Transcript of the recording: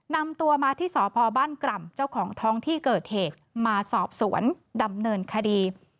นำตัวมาที่สพบ้านกร่ำเจ้าของท้องที่เกิดเหตุมาสอบสวนดำเนินคดี